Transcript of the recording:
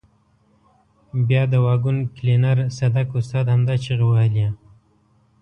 بیا د واګون کلینر صدک استاد همدا چیغې وهلې.